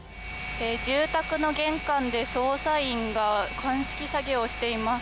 住宅の玄関で捜査員が鑑識作業をしています。